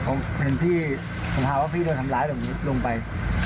เขาเห็นพี่คิดว่าพี่โดนทำร้ายลงลงไป